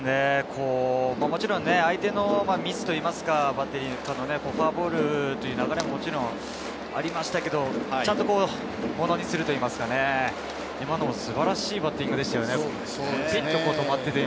もちろん相手のミスといいますか、フォアボールという流れもありましたけれど、ちゃんとものにするといいますか、今のも素晴らしいバッティングでしたよね。